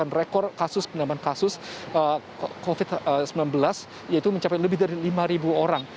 rekor kasus penambahan kasus covid sembilan belas yaitu mencapai lebih dari lima orang